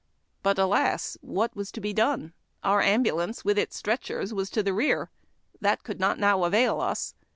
But, alas ! what was to be done ? Our ambulance with its stretchers was to the rear. That could not now avail us.